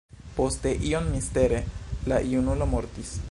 Poste, iom mistere, la junulo mortis.